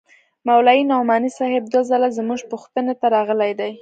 مولوي نعماني صاحب دوه ځله زموږ پوښتنې ته راغلى دى.